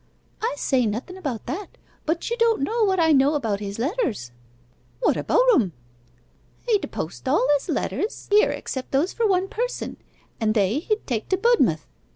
'I say nothen about that; but you don't know what I know about his letters.' 'What about 'em?' 'He d' post all his letters here except those for one person, and they he d' take to Budmouth.